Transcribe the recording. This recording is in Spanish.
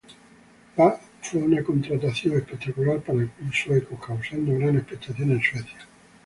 Ba fue una contratación espectacular para el club sueco, causando gran expectación en Suecia.